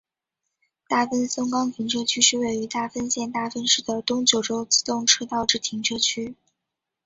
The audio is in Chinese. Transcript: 大分松冈停车区是位于大分县大分市的东九州自动车道之停车区。